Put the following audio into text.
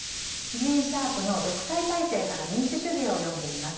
ジーン・シャープの「独裁体制から民主主義へ」を読んでいます。